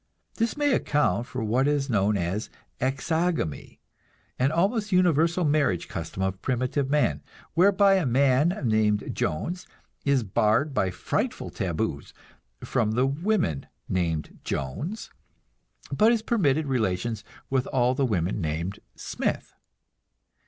This may account for what is known as "exogamy," an almost universal marriage custom of primitive man, whereby a man named Jones is barred by frightful taboos from the women named Jones, but is permitted relations with all the women named Smith.